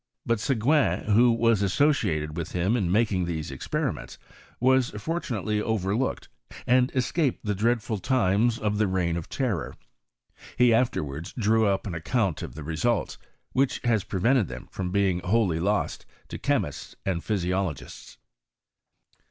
Bat Soguin, who was associated with him in making these experiments, was fortunately overlooked, and escaped the dreadful times of the reign of terror: he afterwards drew up an account of the results, which has prevented them from bcmg wholly lost to chemists and physiologists.